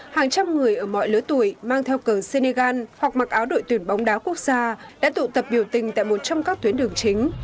hàng trăm người ở mọi lứa tuổi mang theo cờ senegal hoặc mặc áo đội tuyển bóng đá quốc gia đã tụ tập biểu tình tại một trong các tuyến đường chính